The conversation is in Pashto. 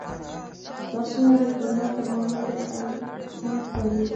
لاسونه د کرونا پرمهال ډېر اهمیت لري